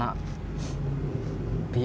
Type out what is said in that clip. ya mungkin karena